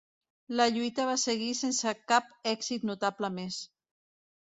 La lluita va seguir sense cap èxit notable més.